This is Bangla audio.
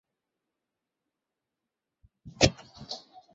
সুধাকান্তবাবু কাঁসার গ্লাসে করে পানি নিয়ে এলেন।